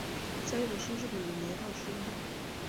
嘉永是日本的年号之一。